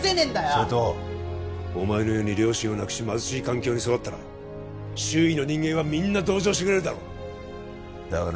瀬戸お前のように両親を亡くし貧しい環境に育ったら周囲の人間はみんな同情してくれるだろうだがな